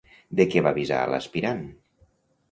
De què va avisar a l'aspirant?